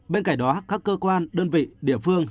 bên cạnh đó các cơ quan đơn vị địa phương